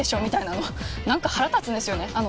みたいなの何か腹立つんですよね